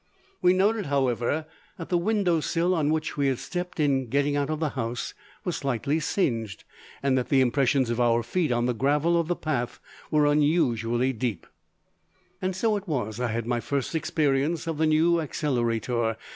We noted, however, that the window sill on which we had stepped in getting out of the house was slightly singed, and that the impressions of our feet on the gravel of the path were unusually deep. So it was I had my first experience of the New Accelerator.